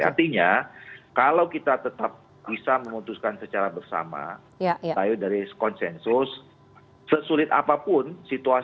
artinya kalau kita tetap bisa memutuskan secara bersama